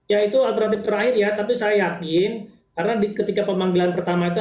ya itu alternatif terakhir ya tapi saya yakin karena ketika pemanggilan pertama itu